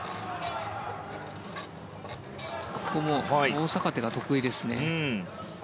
大逆手が得意ですね。